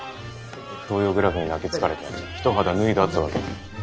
「東洋グラフ」に泣きつかれて一肌脱いだってわけ。